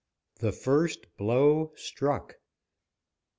THE FIRST BLOW STRUCK.